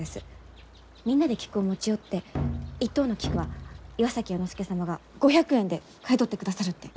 みんなで菊を持ち寄って一等の菊は岩崎弥之助様が５００円で買い取ってくださるって。